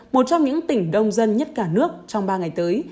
một trong những tỉnh đông dân nhất cả nước trong ba ngày tới